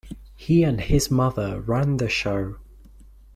He and his mother ran the show.